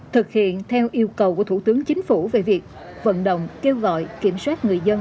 thực hiện theo yêu cầu của thủ tướng chính phủ về việc vận động kêu gọi kiểm soát người dân